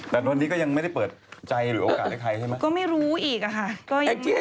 ทุกคนก็ส่งสิ้งเสร็จให้พี่พูด